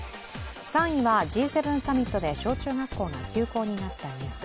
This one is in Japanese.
３位はＧ７サミットで小中学校が休校になったニュース。